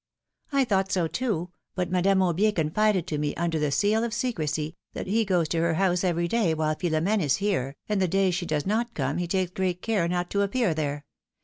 " I thought so, too, but Madame Aubier confided to me, under the seal of secrecy, that he goes to her house every day, while Philom^ne is here, and the days she does not come he takes great care not to appear there.